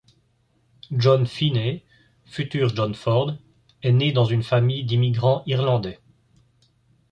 John Feeney, futur John Ford, est né dans une famille d'immigrants irlandais.